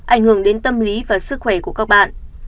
ảnh hưởng đến tâm lý và sức khỏe của các bạn